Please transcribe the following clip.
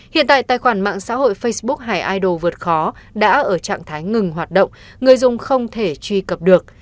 hiện tại tài khoản mạng xã hội facebook hải idol vượt khó đã ở trạng thái ngừng hoạt động người dùng không thể truy cập được